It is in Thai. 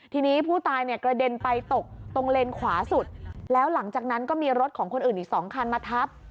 ทีนี้ผู้ตายเนี่ยกระเด็นไปตกตรงเลนขวาสุดแล้วหลังจากนั้นก็มีรถของคนอื่นอีกสองคันมาทับ